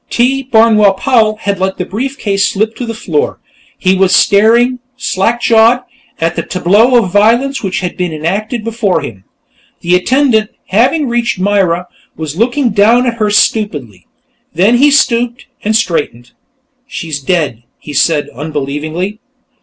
T. Barnwell Powell had let the briefcase slip to the floor; he was staring, slack jawed, at the tableau of violence which had been enacted before him. The attendant, having reached Myra, was looking down at her stupidly. Then he stooped, and straightened. "She's dead!" he said, unbelievingly.